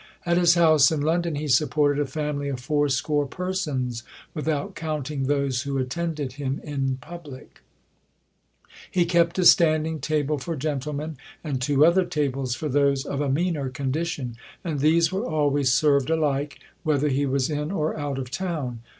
At his house in London he supported a family of fourscore persons, without counting those who attended him in public. "He kept a standing table for gentlemen, and two other tables for those of a meaner condition; and these were always served alike, whether he was in or out of town.